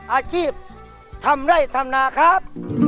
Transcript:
อาชีพทำไร่ทำนาครับ